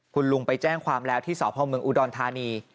คุณลุงไปแจ้งความแล้วที่สพเมืองอุดรธานี